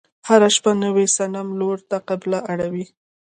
هره شپه نوي صنم لور ته قبله اوړي.